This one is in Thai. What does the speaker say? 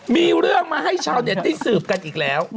มีเรื่องมาให้ชาวเน็ตได้สืบกันอีกแล้ว